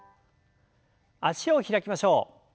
脚を開きましょう。